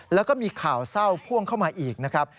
แล้วก็มีข่าวเศร้าพ่วงเข้ามาอีกนะครับ